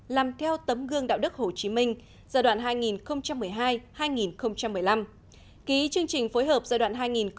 làm theo tấm gương đạo đức hồ chí minh giai đoạn hai nghìn một mươi hai hai nghìn một mươi năm ký chương trình phối hợp giai đoạn hai nghìn một mươi một hai nghìn hai mươi